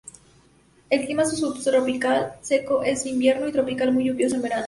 Su clima es subtropical, seco en invierno y tropical muy lluvioso en verano.